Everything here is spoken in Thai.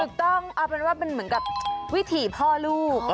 ถูกต้องเอาเป็นว่ามันเหมือนกับวิถีพ่อลูก